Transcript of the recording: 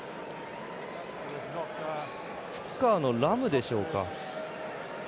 フッカーのラムでしょうか。